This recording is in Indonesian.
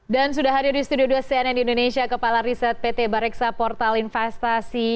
dan sudah hadir di studio dua cnn indonesia kepala riset pt bareksa portal investasi